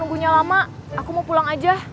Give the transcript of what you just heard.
nunggunya lama aku mau pulang aja